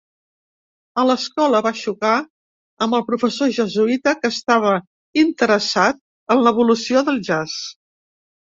A l'escola va xocar amb el professor jesuïta que estava interessat en l'evolució del jazz.